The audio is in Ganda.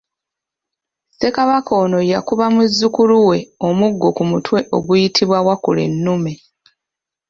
Ssekabaka ono yakubwa muzzukulu we omuggo ku mutwe oguyitibwa wakulennume.